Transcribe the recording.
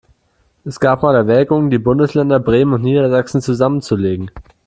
Es gab mal Erwägungen, die Bundesländer Bremen und Niedersachsen zusammenzulegen.